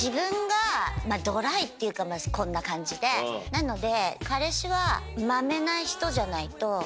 なので。